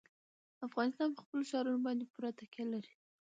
افغانستان په خپلو ښارونو باندې پوره تکیه لري.